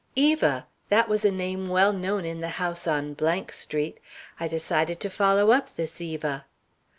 Eva! that was a name well known in the house on Street. I decided to follow up this Eva."